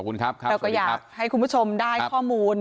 ติดต่อบอกมานะครับคุณสำหรับข้อมูล